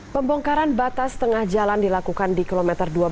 pembongkaran batas tengah jalan dilakukan di kilometer dua belas empat belas